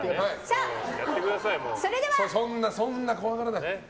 そんな怖がらなくても。